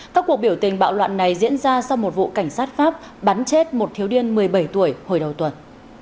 các cuộc biểu tình bạo loạn này diễn ra sau một vụ cảnh sát pháp bắn chết một thiếu niên một mươi bảy tuổi hồi đầu tuần